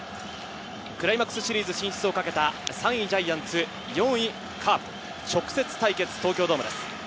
クライマックスシリーズ進出をかけた３位ジャイアンツ、４位カープ、直接対決、東京ドームです。